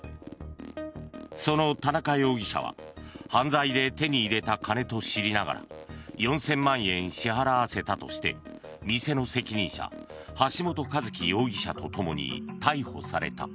その田中容疑者は犯罪で手に入れた金と知りながら４０００万円支払わせたとして店の責任者橋本一喜容疑者とともに逮捕された。